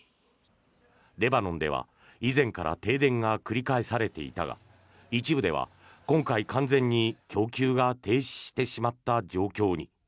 レバノンでは、以前から停電が繰り返されていたが一部では今回、完全に供給が停止してしまった状況に。